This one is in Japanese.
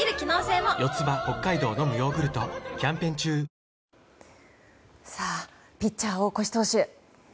「氷結」さあ、ピッチャー大越投手。